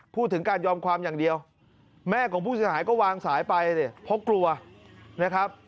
พูดถึงการยอมความอย่างเดียวแม่ของผู้เสียหายก็วางสายไปเนี่ยเพราะกลัวนะครับ